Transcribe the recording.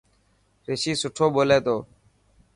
رشي سٺو ٻولي تو.